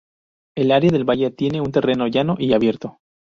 El área de valle tiene un terreno llano y abierto.